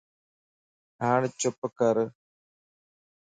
ھاڻ چپ ڪر